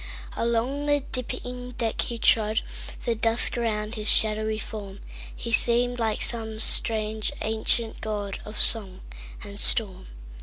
Along the dipping deck he trod, The dusk about his shadowy form; He seemed like some strange ancient godOf song and storm.